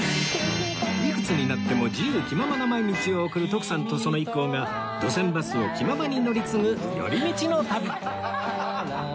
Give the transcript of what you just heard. いくつになっても自由気ままな毎日を送る徳さんとその一行が路線バスを気ままに乗り継ぐ寄り道の旅